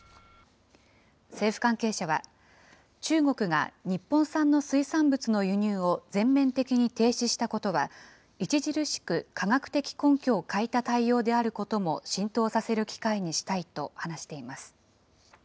政府関係者は、中国が日本産の水産物の輸入を全面的に停止したことは、著しく科学的根拠を欠いた対応であることも浸透させる機会にしたいと話しています。